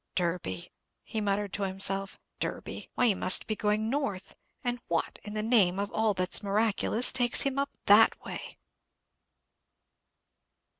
"Derby," he muttered to himself, "Derby. Why, he must be going north; and what, in the name of all that's miraculous, takes him that way?"